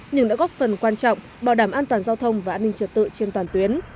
nhưng đã góp phần quan trọng bảo đảm an toàn giao thông và an ninh trật tự trên toàn tuyến